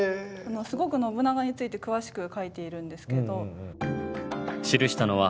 すごく信長について詳しく書いているんですけど。